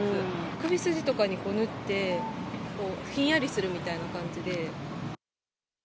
首筋とかに塗って、ひんやりするみたいな感じで。